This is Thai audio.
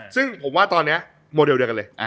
ซึ่งผมว่าตอนนี้โมเดลเดียวกันเลย